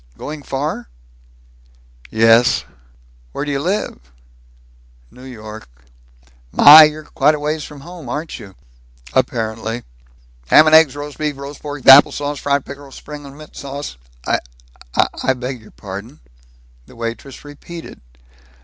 "Going far?" "Yes." "Where do you live?" "New York." "My! You're quite a ways from home, aren't you?" "Apparently." "Hamnegs roasbeef roaspork thapplesauce frypickerel springlamintsauce." "I I beg your pardon." The waitress repeated.